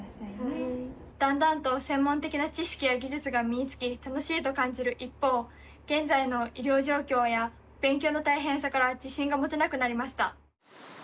だんだんと専門的な知識や技術が身につき楽しいと感じる一方現在の医療状況や勉強の大変さから自信が持てなくなりました。